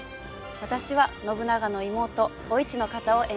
私は信長の妹お市の方を演じていました。